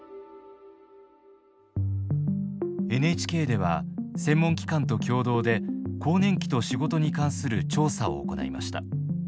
ＮＨＫでは専門機関と共同で更年期と仕事に関する調査を行いました。